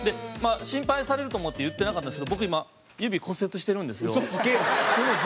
心配されると思って言ってなかったんですけど僕、今、指骨折してるんですよ。